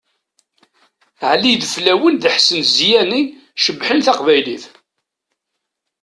Ɛli Ideflawen d Ḥsen Ziyani cebbḥen taqbaylit!